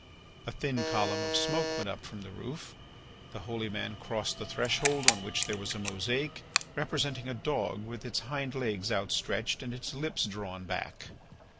A thin column of smoke went up from the roof. The holy man crossed the threshold on which there was a mosaic representing a dog with its hind legs outstretched and its lips drawn back.